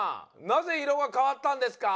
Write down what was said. なぜ色が変わったんですか？